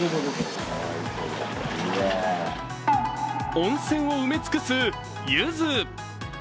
温泉を埋め尽くすゆず。